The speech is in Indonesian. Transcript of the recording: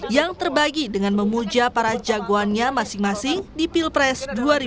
yang terbagi dengan memuja para jagoannya masing masing di pilpres dua ribu sembilan belas